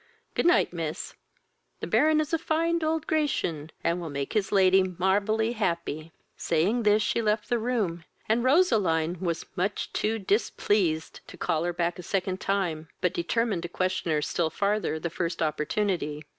Good night, miss; the Baron is a fine old Gracian, and will make his lady marvelly happy." Saying this, she left the room, and Roseline was too much displeased to call her back a second time, but determined to question her still farther the first opportunity.